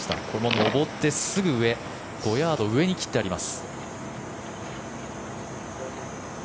上ってすぐ上５ヤード上に切ってあります。